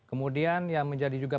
kemudian yang menjadi juga